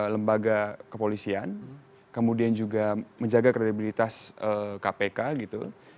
lembaga kepolisian kemudian juga menjaga kredibilitas kpk gitu